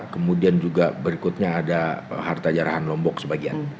kemudian juga berikutnya ada harta jarahan lombok sebagian